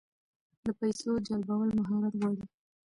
د پیسو جلبول مهارت غواړي.